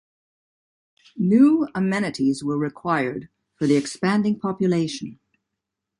New amenities were required for the expanding population.